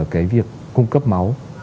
cái việc cung cấp máu